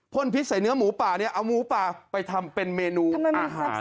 พิษใส่เนื้อหมูป่าเนี่ยเอาหมูป่าไปทำเป็นเมนูอาหาร